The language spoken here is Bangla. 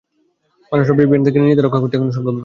মানুষরা ডিভিয়েন্টদের থেকে নিজেদের রক্ষা করতে এখনও সক্ষম না।